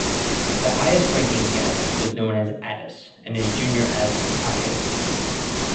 The highest ranking Gallus was known as "Attis", and his junior as "Battakes".